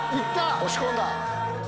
押し込んだ。